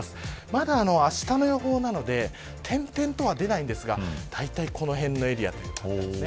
まだあしたの予報なので点点とは出ないんですがだいたいこの辺のエリアということです。